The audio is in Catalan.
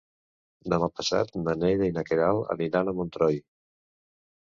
Demà passat na Neida i na Queralt aniran a Montroi.